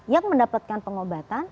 yang mendapatkan pengobatan